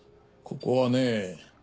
ここはね